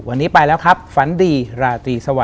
วันนี้ไปแล้วครับฝันดีราตรีสวร